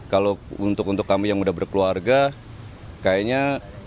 kalau untuk kami yang udah berkeluarga kayaknya